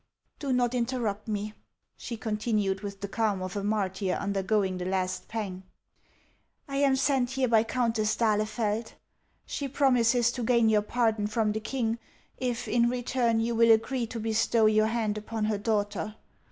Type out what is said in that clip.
" Do not interrupt me,'' she continued, with the cairn of a martyr undergoing the last pang ;"' I am sent here by Countess d'Ahlef'eld. She promises to gain your pardon from the king, if in return you will agree to bestow your hand upon her daughter.